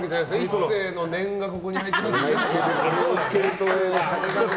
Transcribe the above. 壱成の念がここに入ってますよとか。